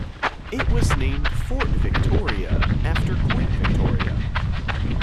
It was named Fort Victoria after Queen Victoria.